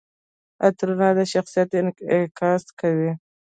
عطرونه د شخصیت انعکاس کوي.